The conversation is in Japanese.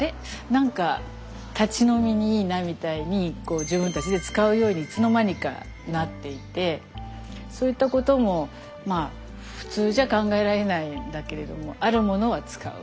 何か立ち飲みにいいなみたいに自分たちで使うようにいつの間にかなっていてそういったことも普通じゃ考えられないんだけれどもあるものは使う。